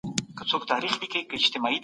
که ته کار ونه کړي نو هیڅ به زده نه کړي.